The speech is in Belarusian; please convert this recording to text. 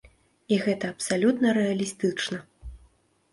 І гэта абсалютна рэалістычна.